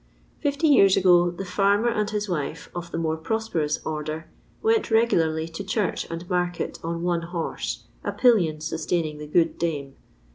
Fifty years ago the farmer and his wife, of the more prosperous order, went regularly to church and market on one horse, a pillion sustaining the good dame.